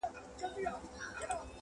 آیینې ولي مي خوبونه د لحد ویښوې-